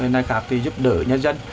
nơi khác thì giúp đỡ nhân dân